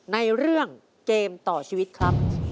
ในเรื่องเกมต่อชีวิตครับ